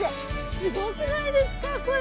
すごくないですか、これ。